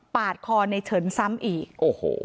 คอในเฉินซ้ำอีกโอ้โห